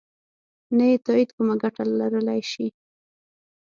نه یې تایید کومه ګټه لرلای شي.